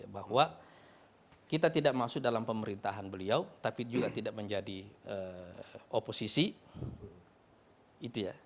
bahwa kita tidak masuk dalam pemerintahan beliau tapi juga tidak menjadi oposisi itu ya